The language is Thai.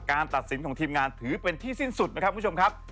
ตัดสินของทีมงานถือเป็นที่สิ้นสุดนะครับคุณผู้ชมครับ